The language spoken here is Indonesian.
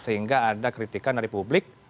sehingga ada kritikan dari publik